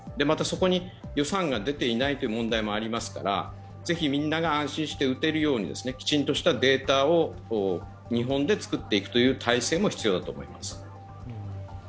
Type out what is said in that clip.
またそこに予算が出ていないという問題もありますからぜひみんなが安心して打てるようにきちんとしたデータを日本で作っていくという体制も必要だと思います。